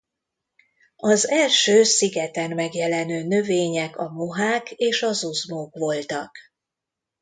Az első szigeten megjelenő növények a mohák és a zuzmók voltak.